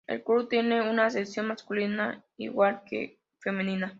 El club tiene una sección masculina igual que femenina.